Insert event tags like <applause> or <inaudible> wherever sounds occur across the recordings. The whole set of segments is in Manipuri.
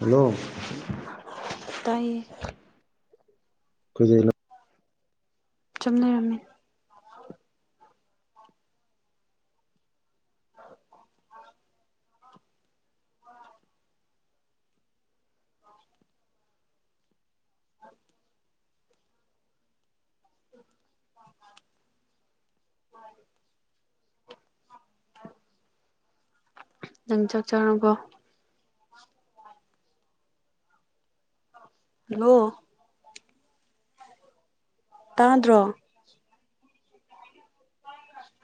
ꯍꯂꯣ ꯇꯥꯏꯌꯦ ꯀꯖꯂꯣ ꯆꯨꯝꯅꯔꯝꯃꯤ <unintelligible> ꯅꯪ ꯆꯠ ꯆꯥꯔꯨꯀꯣ ꯍꯂꯣ ꯇꯥꯗ꯭ꯔꯣ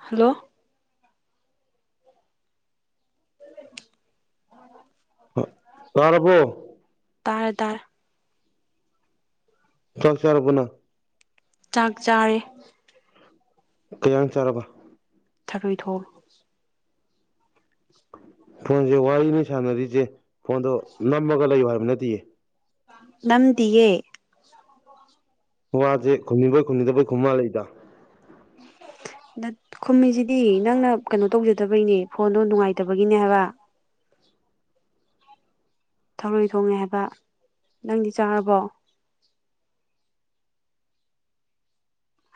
ꯍꯜꯂꯣ ꯇꯥꯔꯕꯣ ꯇꯔꯗꯔ ꯆ ꯆꯔꯔꯕꯅ ꯆꯥꯛ ꯆꯥꯔꯦ ꯀꯌꯥ <unintelligible> ꯆꯥꯔꯕ ꯊꯔꯣꯏ ꯊꯣꯡ ꯐꯣꯟꯁꯦ ꯋꯥꯔꯤꯅꯤ ꯁꯥꯟꯅꯔꯤꯁꯦ ꯐꯣꯟꯗꯣ ꯅꯝꯃꯒ ꯂꯩꯌꯨ ꯍꯥꯏꯕ ꯅꯠꯇꯦꯌꯦ ꯅꯝꯗꯤꯑꯦ ꯋꯥꯁꯦ ꯈꯨꯝꯅꯤꯕꯣꯏ ꯈꯨꯝꯅꯤꯗꯕꯣꯏ ꯈꯨꯝꯃꯜ ꯂꯩꯗ ꯈꯨꯝꯃꯤꯁꯤꯗꯤ ꯅꯪꯅ ꯀꯩꯅꯣ ꯇꯧꯖꯗꯕꯩꯅꯦ ꯐꯣꯟꯗꯣ ꯅꯨꯡꯉꯥꯏꯇꯕꯒꯤꯅꯦ ꯍꯥꯏꯕ ꯊꯔꯣꯏ ꯊꯣꯡꯉꯦ ꯍꯥꯏꯕ ꯅꯪꯗꯤ ꯆꯥꯔꯕꯣ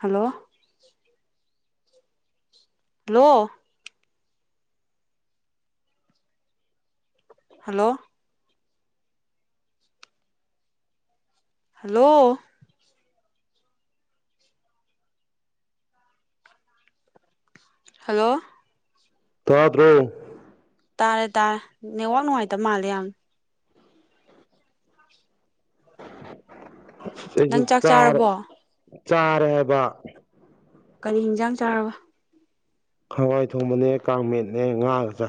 hello hello hello hello hello ꯊꯥ ꯇ꯭ꯔꯣ ꯇꯥꯔꯦ ꯇꯥꯔꯦ ꯅꯦꯠꯋꯥꯛ ꯅꯨꯡꯉꯥꯏꯇꯕ ꯃꯥꯜꯂꯦ ꯌꯥꯝ ꯁꯤꯁꯨ ꯅꯪ ꯆꯥꯛ ꯆꯥꯔ ꯆꯥꯔꯕꯣ ꯆꯥꯔ ꯍꯥꯏꯕ ꯀꯔꯤ ꯌꯦꯟꯖꯥꯡ ꯆꯥꯔꯕ ꯍꯋꯥꯏ ꯊꯣꯡꯕꯅꯦ ꯀꯥꯡ ꯃꯠꯅꯦ ꯉꯥꯒ ꯆ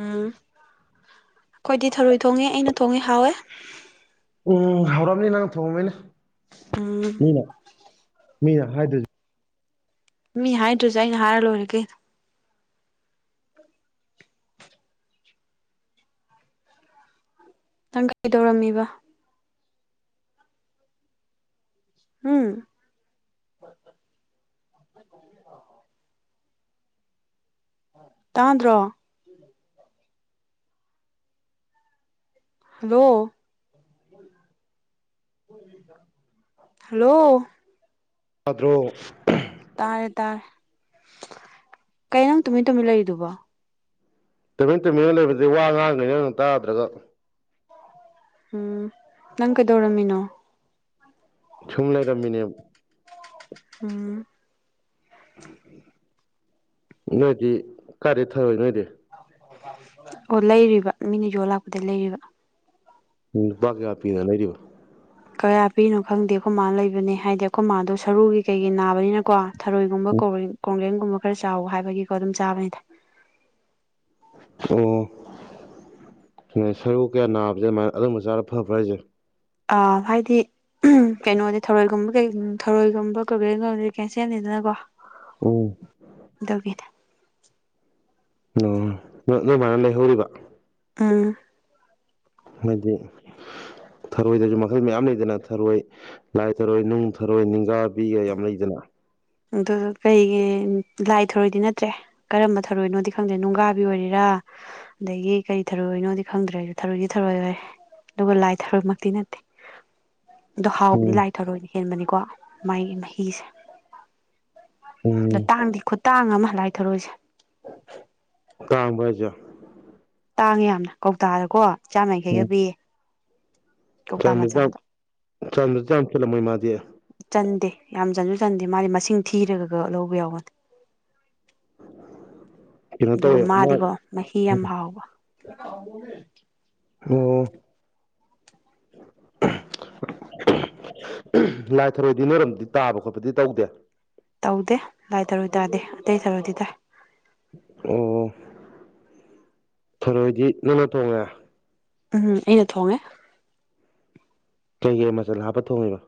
ꯎꯝ ꯑꯩꯈꯣꯏꯗꯤ ꯊꯔꯣꯏ ꯊꯣꯡꯉꯦ ꯑꯩꯅ ꯊꯣꯡꯉꯦ ꯍꯥꯎꯋꯦ ꯎꯝ ꯍꯧꯔꯑꯅꯤ ꯅꯪ ꯊꯣꯡꯉꯕꯅꯦ ꯎꯝ ꯃꯤꯅ ꯍꯥꯏꯗ ꯃꯤ ꯍꯥꯏꯗ꯭ꯔꯁꯦ ꯑꯩꯅ ꯍꯥꯏꯔ ꯂꯣꯏꯔꯒꯦ ꯇꯪ ꯀꯥꯏ ꯇꯧꯔꯝꯃꯤꯕ ꯎꯝ ꯇꯥꯗ꯭ꯔꯣ ꯍꯜꯂꯣ ꯍꯂꯣ ꯗ꯭ꯔꯣ ꯇꯥꯔꯦ ꯇꯥꯔꯦ ꯀꯩꯩꯅꯪ ꯇꯨꯃꯤꯟ ꯇꯨꯝꯃꯤ ꯂꯩꯔꯤꯗꯨꯕꯣ ꯇꯨꯃꯤꯟ ꯇꯨꯃꯤꯟꯅ ꯂꯩꯕꯗꯤ ꯋꯥ ꯉꯉꯥꯡꯉꯥꯡꯅ ꯇꯥꯗ꯭ꯔꯒ ꯎꯝ ꯅꯪ ꯀꯩꯗꯧꯔꯝꯃꯤꯅꯣ ꯁꯨꯝ ꯂꯩꯔꯝꯃꯤꯅꯦ ꯎꯝ ꯅꯣꯏꯗꯤ ꯀꯗꯤ ꯊꯔꯣꯏ ꯅꯣꯏꯗꯤ ꯑꯣ ꯂꯩꯔꯤꯕ ꯃꯤꯅ ꯌꯣ ꯂꯥꯛꯄꯗꯩ ꯂꯩꯔꯤꯕ ꯎꯝ ꯐ ꯍꯥꯄꯤꯤꯅ ꯂꯩꯔꯤꯕꯣ ꯀꯌꯥ ꯄꯤꯅꯣ ꯈꯪꯗꯦ ꯑꯩꯈꯣꯏ ꯃꯥꯥ ꯂꯩꯕꯅꯦ ꯍꯥꯏꯗꯤ ꯑꯩꯈꯣꯏ ꯃꯥꯗꯣ ꯁꯔꯨꯒꯤ ꯀꯩꯒꯤ ꯅꯥꯕꯅꯤꯅꯀꯣ ꯊꯔꯣꯏꯒꯨꯝꯕ ꯀꯣꯡꯒ꯭ꯔꯦꯟꯒꯨꯝꯕ ꯈꯔ ꯆꯥꯎꯋ ꯍꯥꯏꯕꯒꯤꯀꯣ ꯑꯗꯨꯝ ꯆꯥꯕꯅꯤꯗ ꯑꯣ ꯍꯣꯏ ꯁꯔꯨ ꯀꯌꯥ ꯅꯥꯕꯁꯦ ꯑꯗꯨꯃꯥꯏꯅ ꯑꯗꯨꯕ ꯆꯥꯔ ꯐꯕ꯭ꯔꯥ ꯍꯥꯏꯁꯦ ꯑ ꯍꯥꯏꯗꯤ ꯀꯩꯅꯣꯗꯤ ꯊꯔꯣꯏꯒꯨꯝꯕ ꯀꯩ ꯊꯔꯣꯏꯒꯨꯝꯕ ꯀꯩꯀꯗꯤ ꯀꯦꯟꯁꯦꯜꯅꯤꯗꯅꯀꯣ ꯎꯝ ꯗꯧꯒꯗ ꯎ ꯑꯗꯨꯃꯥꯏꯅ ꯂꯩꯍꯧꯔꯤꯕ ꯑꯥ ꯃꯗꯤ ꯊꯔꯣꯏꯗꯁꯨ ꯃꯈꯜ ꯃꯌꯥꯝ ꯂꯩꯗꯅ ꯊꯔꯣꯏ ꯂꯥꯏ ꯊꯔꯣꯏ ꯅꯨꯡ ꯊꯔꯣꯏ ꯅꯤꯡꯒꯥꯕꯤꯒ ꯌꯥꯝ ꯂꯩꯗꯅ <inaudible> ꯑꯗꯨ ꯀꯩꯒꯤ ꯂꯥꯏ ꯊꯔꯣꯏꯗꯤ ꯅꯠꯇ꯭ꯔꯦ ꯀꯔꯝꯕ ꯊꯧꯔꯣꯏꯅꯣꯗꯤ ꯈꯪꯗꯦ ꯅꯨꯡꯒꯥꯕꯤ ꯑꯣꯏꯔꯤꯔꯥ ꯑꯗꯒꯤ ꯀꯔꯤ ꯊꯔꯨꯏꯅꯣꯗꯤ ꯈꯪꯗ꯭ꯔꯦꯁꯨ ꯊꯔꯨꯗꯤ ꯊꯔꯣꯏꯣꯏ ꯑꯗꯨꯒ ꯂꯥꯏ ꯊꯔꯃꯛꯇꯤ ꯅꯠꯇꯦ ꯑꯗꯣ ꯍꯥꯎꯕꯗꯤ ꯎꯝ ꯂꯥꯏ ꯊꯔꯣꯏꯅ ꯍꯦꯟꯕꯅꯤꯀꯣ ꯃꯥꯒꯤ ꯃꯍꯤꯁꯦ ꯎꯝ ꯑꯇꯥꯡꯗꯤ ꯈꯨꯇꯥꯡ ꯑꯃ ꯂꯥꯏꯊꯣꯔꯛꯏꯁꯦ ꯀꯥꯡꯕꯖꯣ ꯇꯥꯡꯉꯦ ꯌꯥꯝꯅ ꯀꯧꯇꯥꯗꯀꯣ ꯆꯥꯝꯃꯡꯈꯩꯒ ꯄꯤꯌꯦ ꯆ ꯀꯧꯇꯥ ꯃꯆꯥꯗꯣ ꯆꯗ ꯆ ꯆꯂ ꯃꯩ ꯃꯥꯗꯤꯦ ꯆꯟꯗꯦ ꯌꯥꯝ ꯆꯟꯁꯨ ꯆꯟꯗꯦ ꯃꯥꯗꯤ ꯃꯁꯤꯡ ꯊꯤꯔꯒꯒ ꯂꯧꯕ ꯌꯥꯎꯒꯅꯤ <inaudible> ꯑꯗꯨꯒ ꯇꯧꯋꯦ ꯃꯥ ꯃꯥꯗꯤꯀꯣ ꯃꯍꯤ ꯌꯥꯝ ꯍꯥꯎꯕ ꯑꯣ ꯂꯥꯏ ꯊꯔꯣꯏꯗꯤ ꯅꯣꯏꯔꯝꯗꯤ ꯇꯥꯕ ꯈꯣꯠꯄꯗꯤ ꯇꯧꯗꯦ ꯇꯧꯗꯦ ꯂꯥꯏ ꯇꯔꯣꯏ ꯇꯥꯗꯦ ꯑꯇꯩ ꯇꯔꯣꯏꯗꯤ ꯇꯥꯏ ꯑꯣ ꯐꯔꯣꯏꯗꯤ ꯅꯪꯅ ꯇꯣꯡꯉꯦ ꯎꯝ ꯑꯩꯅ ꯊꯣꯡꯉꯦ ꯀꯩꯀꯦ ꯃꯆꯜ ꯍꯥꯞꯄ ꯊꯣꯡꯉꯤꯕ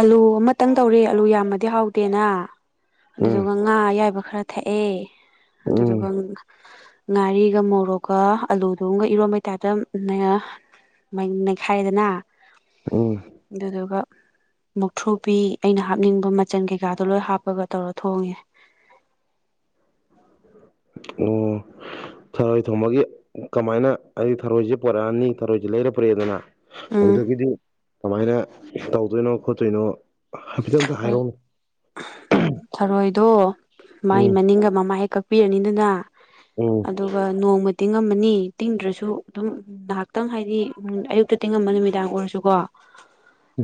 ꯑꯂꯨ ꯑꯃꯇꯪ ꯇꯧꯔꯦ ꯑꯂꯨ ꯌꯥꯝꯃꯗꯤ ꯍꯥꯎꯗꯦꯅ ꯎꯝ ꯑꯗꯨꯗꯨꯒ ꯉꯥ ꯑꯌꯥꯏꯕ ꯈꯔ ꯊꯛꯑꯦ ꯎꯝ ꯑꯗꯨꯗꯨꯒ ꯉꯥꯔꯤꯒ ꯃꯣꯔꯣꯛꯒ ꯑꯂꯨꯗꯨꯒ ꯏꯔꯣꯟꯕꯩꯇꯥꯏꯞꯇ ꯃ ꯅꯩꯈꯥꯏꯗꯅ ꯎꯝ ꯑꯗꯨꯗꯨꯒ ꯃꯨꯛꯊ꯭ꯔꯨꯕꯤ ꯑꯩꯅ ꯍꯥꯞꯅꯤꯡꯕ ꯃꯆꯟ ꯀꯩꯀꯥꯗꯣ ꯂꯣꯏ ꯍꯥꯞꯄꯒ ꯇꯧꯔ ꯊꯣꯡꯉꯦ <unintelligible> ꯑꯣ ꯊꯔꯣꯏ ꯊꯣꯡꯕꯒꯤ ꯀꯃꯥꯏꯅ ꯍꯥꯏꯗꯤ ꯊꯔꯣꯏꯁ ꯄꯣꯔꯛꯑꯅꯤ ꯊꯔꯣꯏꯁꯦ ꯂꯩꯔꯄ꯭ꯔꯦꯗꯅ ꯎꯝ ꯑꯗꯨꯗꯒꯤꯗꯤ ꯀꯃꯥꯏꯅ ꯇꯧꯗꯣꯏꯅꯣ ꯈꯣꯠꯇꯣꯏꯅꯣ ꯍꯥꯏꯐꯦꯠꯇ ꯑꯇ ꯍꯥꯏꯔꯛꯑꯣꯅ ꯃ ꯃꯅꯤ ꯎꯝ ꯑꯃꯅꯤ ꯇꯤꯡꯗ꯭ꯔꯁꯨ ꯑꯗꯨꯝ ꯉꯍꯥꯛꯇꯪ ꯍꯥꯏꯗꯤ ꯑꯌꯨꯛꯇ ꯇꯤꯡꯉꯝꯕ ꯅꯨꯃꯤꯗꯥꯡ ꯑꯣꯏꯔꯁꯨꯀꯣ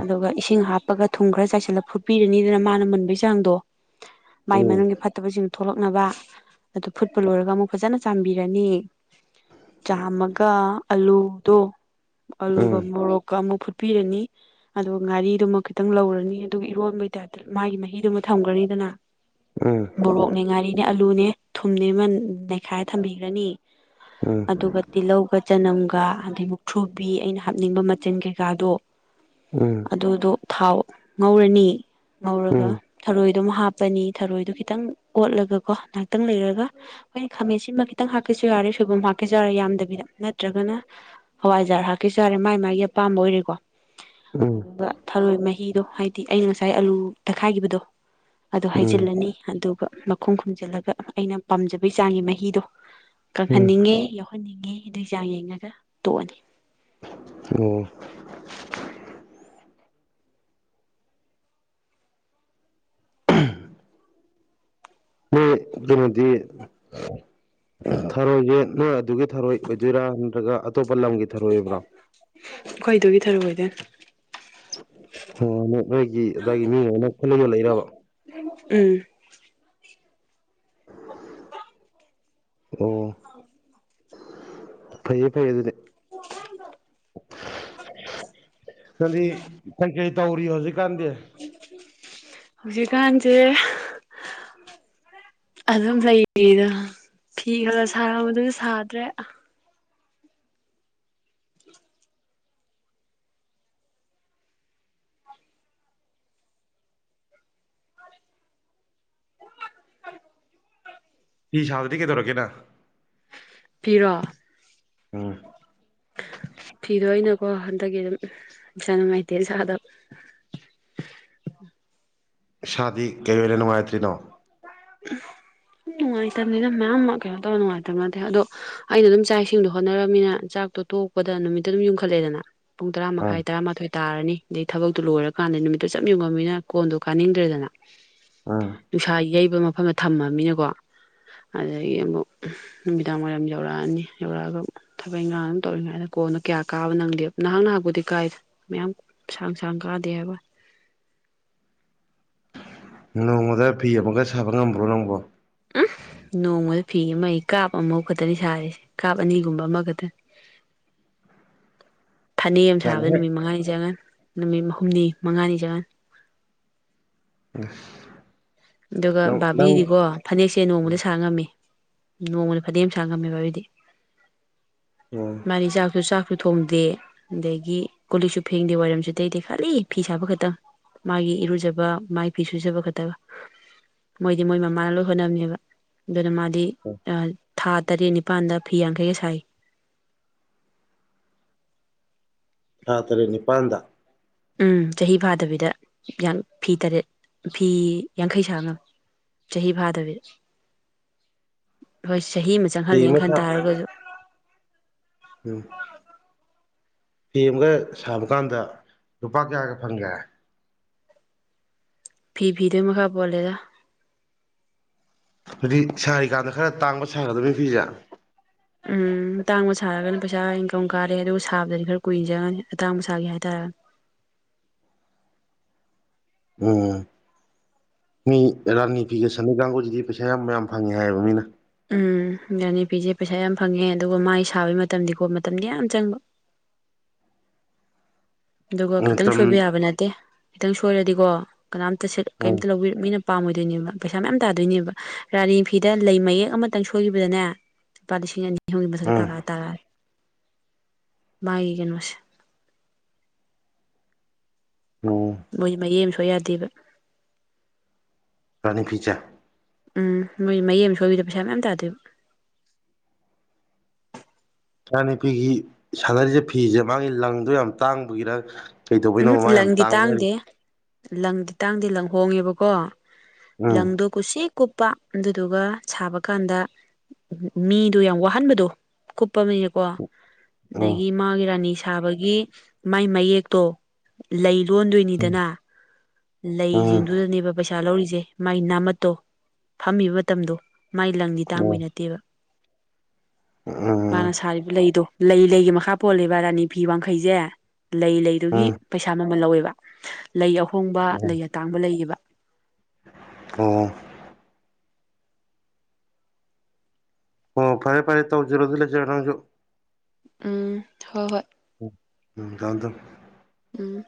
ꯑꯗꯨꯒ ꯏꯁꯤꯡ ꯍꯥꯞꯄꯒ ꯊꯨꯝ ꯈ꯭ꯔ ꯆꯥꯏꯁꯤꯜꯂ ꯐꯨꯠꯄꯤꯔꯅꯤꯗꯅ ꯃꯥꯅ ꯃꯨꯟꯕꯩ ꯆꯥꯡꯗꯣ ꯃꯥꯏ ꯎꯝ ꯃꯅꯨꯡꯒꯤ ꯐꯠꯇꯕꯁꯤꯡꯗꯨ ꯊꯣꯛꯂꯛꯅꯕ ꯑꯗꯨ ꯐꯨꯠꯄ ꯂꯣꯏꯔꯒ ꯑꯃꯨꯛ ꯐꯖꯅ ꯆꯥꯟꯕꯤꯔꯅꯤ ꯆꯥꯝꯃꯒ ꯑꯂꯨꯗꯣ ꯑꯥꯂꯨꯒ ꯎꯝ ꯃꯣꯔꯣꯛꯀ ꯑꯃꯨꯛ ꯐꯨꯠꯄꯤꯔꯅꯤ ꯑꯗꯨꯒ ꯉꯥꯔꯤꯗꯨꯃ ꯈꯤꯇꯪ ꯂꯧꯔꯅꯤ ꯑꯗꯨ ꯏꯔꯣꯟꯕꯩꯇꯥ ꯃꯥꯒꯤ ꯃꯍꯤꯗꯨꯃ ꯊꯝꯈ꯭ꯔꯅꯤꯗꯅ ꯎꯝ ꯃꯣꯔꯣꯛꯅꯦ ꯉꯥꯏꯔꯤꯅꯦ ꯑꯂꯨꯅꯦ ꯊꯨꯝꯅꯦ ꯅꯩꯈꯥꯏ ꯊꯝꯕꯤꯈ꯭ꯔꯅꯤ ꯎꯝ ꯑꯗꯨꯒ ꯎꯝ ꯇꯤꯜꯍꯧꯒ ꯆꯅꯝꯒ ꯑꯗꯩ ꯃꯨꯛ ꯊ꯭ꯔꯨꯕꯤ ꯑꯩꯅ ꯍꯥꯞꯅꯤꯡꯕ ꯃꯆꯤꯟ ꯀꯩꯀꯥꯗꯣ ꯑꯗꯨꯗꯣ ꯊꯥꯎ ꯉꯧꯔꯅꯤ ꯉꯧꯔꯒ ꯊꯔꯣꯏ ꯑꯗꯨꯝ ꯍꯥꯞꯄꯅꯤ ꯊꯔꯣꯏꯗꯣ ꯈꯤꯇꯪ ꯑꯣꯠꯂꯒꯀꯣ ꯉꯥꯏꯍꯥꯛꯇꯪ ꯂꯩꯔꯒ ꯑꯩꯈꯣꯏ ꯈꯥꯃꯦꯟꯁꯤꯃ ꯈꯤꯇꯪ ꯍꯥꯞꯀ ꯍꯥꯁꯨ ꯌꯥꯔꯦ ꯁꯣꯏꯕꯨꯝ ꯍꯥꯞꯀꯦꯁꯨ ꯌꯥꯔꯦ ꯌꯥꯝꯗꯕꯤꯗ ꯅꯠꯇ꯭ꯔꯒꯅ ꯍꯋꯥꯏꯖꯥꯔ ꯍꯥꯞꯀꯦꯁꯨ ꯌꯥꯔꯦ ꯃꯥꯥꯏ ꯃꯥꯒꯤ ꯑꯄꯥꯝꯕ ꯑꯣꯏꯔꯦꯀꯣ ꯎꯝ ꯑꯗꯨꯒ ꯊꯔꯣꯏ ꯃꯍꯤꯗꯣ ꯍꯥꯏꯗꯤ ꯑꯩꯅ ꯉꯁꯥꯏ ꯑꯂꯨ ꯇꯛꯈꯥꯏꯈꯤꯕꯗꯣ ꯑꯗ ꯎꯝ ꯍꯥꯏꯖꯤꯜꯂꯅꯤ ꯑꯗꯨꯒ ꯃꯈꯨꯝ ꯈꯨꯝꯖꯤꯜꯂꯒ ꯑꯩꯅ ꯄꯥꯝꯖꯕꯩ ꯆꯥꯡꯒꯤ ꯃꯍꯤꯗꯣ ꯎꯝ ꯎꯝ ꯀꯪꯍꯟꯅꯤꯡꯉꯦ ꯌꯥꯎꯍꯟꯅꯤꯡꯉꯦ ꯑꯗꯨꯒꯤ ꯆꯥꯡ ꯌꯦꯡꯉꯒ ꯇꯣꯛꯑꯅꯤ ꯑꯣ ꯃꯗꯤ ꯊꯥꯔꯣꯏꯁꯦ ꯅꯣꯏ ꯑꯗꯨꯒꯤ ꯊꯥꯔꯣꯏ ꯑꯣꯏꯗꯣꯏꯔꯥ ꯅꯠꯇ꯭ꯔꯒ ꯑꯇꯣꯞꯄ ꯂꯝꯒꯤ ꯊꯔꯣꯏꯕ꯭ꯔꯥ ꯊꯔꯨ ꯑꯣꯏꯗ ꯅꯣꯏꯒꯤ ꯑꯗꯨꯏꯒꯤ ꯃꯤ ꯑꯃ ꯑꯃ ꯈꯨꯂꯒ ꯂꯩꯔꯕ ꯎꯝ ꯑꯣ ꯐꯩꯌ‌ꯦ ꯐꯩꯌ‌ꯦ ꯑꯗꯨꯗꯤ ꯀꯗꯤ ꯀꯩ ꯀꯩ ꯇꯧꯔꯤ ꯍꯧꯖꯤꯛ ꯀꯥꯟꯗꯦ ꯍꯧꯖꯤꯛꯀꯥꯟꯁꯦ ꯑꯗꯨꯝ ꯂꯩꯔꯤꯗ ꯐꯤ ꯈꯔ ꯁꯥꯔꯝꯕꯗꯨꯁꯨ ꯁꯥꯗ꯭ꯔꯦ ꯐꯤ ꯁꯥꯕꯗꯤ ꯀꯩꯗꯧꯔꯒ‌ꯦ ꯅꯪ ꯐꯤꯔꯣ ꯎꯝ ꯐꯤꯗꯣ ꯑꯩꯅꯀꯣ ꯍꯟꯗꯛꯀꯤ ꯑꯗꯨꯝ ꯏꯥꯁꯥ ꯅꯨꯡꯉꯥꯏꯇꯦꯅ ꯁꯥꯥꯗꯕ ꯏꯁꯥꯗꯤ ꯀꯩ ꯑꯣꯏꯅ ꯅꯨꯡꯉꯥꯏꯇ꯭ꯔꯤꯅꯣ <unintelligible> ꯅꯨꯡꯉꯥꯏꯇꯝꯅꯤꯗ ꯃꯌꯥꯝ ꯑꯃ ꯀꯩꯅꯣ ꯇꯧꯔ ꯅꯨꯡꯉꯥꯏꯇꯕ ꯅꯠꯇꯦ ꯑꯗꯣ ꯑꯩꯅ ꯑꯗꯨꯝ ꯆꯥꯛ ꯏꯁꯤꯡꯗꯣ ꯍꯣꯠꯅꯔꯝꯃꯤꯅ ꯆꯥꯛ ꯇꯣ ꯇꯣꯛꯄꯗ ꯅꯨꯃꯤꯠꯇ ꯑꯗꯨꯝ ꯌꯨꯝꯈꯠꯂꯦꯗꯅ ꯄꯨꯡ ꯇꯔꯥ ꯎꯝ ꯃꯈꯥꯏ ꯇꯔꯥꯃꯥꯊꯣꯏ ꯇꯥꯔꯅꯤ ꯑꯗꯩ ꯊꯕꯛꯇꯨ ꯂꯣꯏꯔꯀꯥꯟꯗ ꯅꯨꯃꯤꯠꯇ ꯆꯞ ꯌꯨꯡꯉꯝꯅꯤꯅ ꯀꯣꯟꯗꯣ ꯀꯥꯅꯤꯡꯗ꯭ꯔꯦꯗꯅ ꯎꯝ ꯅꯨꯡꯁꯥ ꯌꯩꯕ ꯃꯐꯝꯗ ꯊꯝꯃꯕꯅꯤꯅꯀꯣ ꯑꯗꯨꯗꯒꯤ ꯑꯃꯨꯛ ꯅꯨꯃꯤꯗꯥꯡ ꯋꯥꯏꯔꯝ ꯌꯧꯔꯛꯑꯅꯤ ꯌꯧꯔꯛꯑꯒ ꯊꯕꯛ ꯏꯟꯈꯥꯡ ꯑꯗꯨꯝ ꯇꯧꯔꯤꯉꯩꯗ ꯀꯣꯟꯅꯣ ꯀꯌꯥ ꯀꯥꯕ ꯅꯪꯗꯦꯕ ꯅꯍꯥꯛ ꯅꯍꯥꯛꯄꯨꯗꯤ ꯀꯥꯏꯗ ꯃꯌꯥꯝ ꯁꯥꯡ ꯁꯥꯡ ꯀꯥꯗꯦ ꯍꯥꯏꯕ <unintelligible> ꯅꯣꯡꯃꯗ ꯐꯤ ꯑꯃꯒ ꯁꯥꯕ ꯉꯝꯕ꯭ꯔꯣ ꯅꯪꯕꯣ ꯎꯝ ꯅꯣꯡꯃ ꯐꯤ ꯑꯃ ꯀꯥꯞ ꯑꯃꯐꯥꯎ ꯈꯛꯇꯅꯤ ꯁꯥꯔꯤꯁꯦ ꯀꯥꯞ ꯑꯅꯤꯒꯨꯝꯕ ꯑꯃꯈꯛꯇꯅꯤ ꯐꯅꯦꯛ ꯑꯃ ꯅꯪ ꯁꯥꯕꯗ ꯍꯦꯛ ꯅꯨꯃꯤꯠ ꯃꯉꯥꯅꯤ ꯆꯪꯉꯅꯤ ꯅꯨꯃꯤꯠ ꯍꯨꯝꯅꯤ ꯃꯉꯥꯅꯤ ꯆꯪꯉꯅꯤ ꯑꯁ ꯑꯗꯨꯒ ꯕꯥꯥꯕꯤꯗꯤꯀꯣ ꯐꯅꯦꯛꯁꯦ ꯅꯣꯡꯃꯗ ꯁꯥ ꯉꯝꯃꯤ ꯅꯣꯡꯃꯗ ꯐꯗꯤ ꯑꯝ ꯁꯥꯡꯉꯝꯃꯤ ꯕꯕꯤꯗꯤ ꯎꯝ ꯃꯥꯗꯤ ꯆꯥꯛꯁꯨ ꯆꯥꯛ ꯁꯨ ꯊꯣꯡꯗꯦ ꯑꯗꯒꯤ ꯀꯣꯂꯤꯛꯁꯨ ꯐꯦꯡꯗꯦ ꯋꯥꯏꯔꯝꯁꯨ ꯇꯩꯗ‌ꯦ ꯈꯜꯂꯤ ꯐꯤ ꯁꯥꯕ ꯈꯛꯇꯪ ꯃꯥꯒꯤ ꯏꯔꯨꯖꯕ ꯃꯥꯒꯤ ꯐꯤ ꯁꯨꯖꯕ ꯈꯛꯇꯒ ꯃꯣꯏꯗꯤ ꯃꯣꯏ ꯃꯃꯥꯅ ꯂꯣꯏ ꯍꯣꯠꯅꯝꯅꯦꯕ ꯑꯗꯨꯅ ꯃꯥꯗꯤ ꯊꯥ ꯇꯔꯦꯠ ꯅꯤꯄꯥꯜꯗ ꯐꯤ ꯌꯥꯡꯈꯩꯒ ꯁꯥꯏ ꯊꯥ ꯇꯔꯦꯠ ꯅꯤꯄꯥꯟꯗ ꯎꯝ ꯆꯍꯤ ꯐꯥꯗꯕꯤꯗ ꯐꯤ ꯇꯔꯦꯠ ꯐꯤ ꯌꯥꯡꯈꯩ ꯁꯥꯥ ꯉꯝꯃꯤ ꯆꯍꯤ ꯐꯥꯗꯕꯤꯗ ꯍꯣꯏꯁ ꯆꯍꯤ ꯑꯃ ꯆꯪꯍꯜꯂꯦ ꯈꯟ ꯇꯔꯒꯁꯨ ꯎꯝ ꯐꯦꯝꯒ ꯁꯥꯕ ꯀꯥꯟꯗ ꯂꯨꯄꯥ ꯀꯌꯥꯒ ꯐꯪꯈ꯭ꯔꯦ ꯐꯤ ꯐꯤꯗꯨꯏ ꯃꯈꯥ ꯄꯣꯜꯂꯦꯗ ꯍꯥꯏꯗꯤ ꯁꯥꯔꯤꯀꯥꯟꯗ ꯈꯔ ꯇꯥꯡꯕ ꯁꯥꯒꯗꯕ ꯐꯤꯁꯦ ꯎꯝ ꯇꯥꯡꯕ ꯁꯥꯔꯒꯅ ꯄꯩꯁꯥ ꯏꯟꯀꯝ ꯀꯥꯔꯦ ꯑꯗꯨꯒ ꯁꯥꯕꯗꯗꯤ ꯈꯔ ꯀꯨꯏꯟ ꯆꯪꯉꯅꯤ ꯑꯇꯥꯡꯕ ꯁꯥꯒ‌ꯦ ꯍꯥꯏꯔꯒꯅ <unintelligible> ꯎꯝ ꯃꯤ ꯔꯥꯅꯤ ꯐꯤꯒ ꯁꯟꯗ ꯀꯥꯡꯒꯨꯁꯤꯗꯤ ꯄꯩꯁꯥ ꯌꯥꯝ ꯌꯥꯝ ꯐꯪꯉꯦ ꯍꯥꯏꯌꯦꯕ ꯃꯤꯅ ꯎꯝ ꯔꯥꯅꯤꯐꯤꯁꯤ ꯄꯩꯁꯥ ꯌꯥꯝ ꯐꯪꯉꯦ ꯑꯗꯨꯒ ꯃꯥꯏ ꯁꯥꯕꯩ ꯃꯇꯝꯗꯤꯀꯣ ꯃꯇꯝꯗꯤ ꯌꯥꯝ ꯆꯪꯕ <inaudible> ꯑꯗꯨꯒ ꯈꯤꯇꯪ ꯃꯇꯝ ꯁꯣꯏꯕ ꯌꯥꯕ ꯅꯠꯇꯦ ꯈꯤꯇꯪ ꯁꯣꯏꯔꯗꯤꯀꯣ ꯀꯅꯥꯝꯇ ꯁꯦꯠ ꯎꯝ ꯀꯔꯤꯝꯇ ꯂꯧꯕꯤꯔ ꯃꯤꯅ ꯄꯥꯝꯃꯣꯏꯗꯣꯏꯅꯦꯕ ꯄꯩꯁꯥ ꯃꯌꯥꯝ ꯇꯥꯗꯣꯏꯅꯦꯕ ꯔꯥꯅꯤ ꯐꯤꯗ ꯂꯩ ꯃꯌꯦꯛ ꯑꯃꯇꯪ ꯁꯣꯏꯒꯤꯕꯗꯅꯦ ꯂꯨꯄꯥ ꯂꯤꯁꯤꯡ ꯑꯅꯤ <unintelligible> ꯎꯝ ꯇꯥꯔꯛꯑꯅꯤ ꯃꯥꯏ ꯀꯩꯅꯣꯁꯦ ꯎꯝ ꯃꯣꯏ ꯃꯌꯦ ꯁ ꯌꯥꯗꯦꯕ ꯇꯨꯡꯐꯆꯥ ꯎꯝ ꯅꯣꯏ ꯃꯌꯦꯛ ꯑꯃ ꯁꯣꯏꯕꯤꯗ ꯄꯩꯁꯥ ꯃꯌꯥꯝ ꯇꯥꯗꯦꯕ ꯏꯅꯄꯤꯤꯒꯤ ꯁꯥꯟꯅꯔꯤꯁꯦ ꯐꯤꯁꯦ ꯃꯥꯒꯤ ꯂꯪꯗꯣ ꯌꯥꯝ ꯇꯥꯡꯕꯒꯤꯔ ꯎꯝ ꯀꯩꯗꯧꯕꯩꯅꯣ ꯃꯥ ꯌꯥꯝ ꯂꯪꯗꯤ ꯇꯥꯡꯅꯔꯤ ꯇꯥꯡꯗꯦ ꯂꯪꯗꯤ ꯇꯥꯡꯗꯤ ꯂꯪ ꯍꯣꯡꯉꯦꯕꯀꯣ ꯎꯝ ꯂꯪꯗꯣ ꯀꯨꯁꯤꯛ ꯀꯨꯞꯄ ꯑꯗꯨꯗꯨꯒ ꯁꯥꯕ ꯀꯥꯟꯗ ꯃꯤꯗꯣ ꯌꯥꯝ ꯋꯥꯍꯟꯕꯗꯣ ꯀꯨꯞꯄ ꯑꯃꯀꯣ ꯎꯝ ꯑꯗꯒꯤ ꯃꯥꯒꯤ ꯔꯥꯅꯤ ꯁꯥꯕꯒꯤ ꯃꯥꯏ ꯃꯌꯦꯛꯇꯣ ꯂꯩ ꯂꯣꯟꯗꯣꯏꯅꯤꯗꯅ ꯎꯝ ꯂꯩꯁꯤꯡꯗꯨꯗꯅꯦꯕ ꯄꯩꯁꯥ ꯄꯩꯁꯥ ꯂꯧꯔꯤꯁꯦ ꯃꯥꯏ ꯅꯥꯝꯃꯠꯇꯣ ꯐꯝꯃꯤꯕ ꯃꯇꯝꯗꯣ ꯃꯥꯏ ꯂꯪꯗꯤ ꯎꯝ ꯇꯥꯡꯕꯩ ꯅꯠꯇꯦꯕ ꯎꯝ ꯃꯥꯅ ꯁꯥꯔꯤꯕ ꯂꯩꯗꯣ ꯂꯩ ꯂꯩꯒꯤ ꯃꯈꯥ ꯄꯣꯜꯂꯤꯕ ꯔꯥꯅꯤ ꯐꯤ ꯋꯥꯡꯈꯩꯁꯦ ꯂꯩ ꯂꯩꯗꯨꯒꯤ ꯎꯝ ꯄꯩꯁꯥ ꯃꯃꯜ ꯂꯧꯋꯦꯕ ꯂꯩ ꯑꯍꯣꯡꯕ ꯎꯝ ꯂꯩ ꯑꯇꯥꯡꯕ ꯂꯩꯌꯦꯕ ꯑꯣ ꯑꯣ ꯐꯔꯦ ꯐꯔꯦ ꯇꯧꯖꯔ ꯑꯗꯨꯂ ꯆꯁꯨ ꯎꯝ ꯍꯣꯏ ꯍꯣꯏ ꯎꯝ ꯆꯗ ꯎꯝ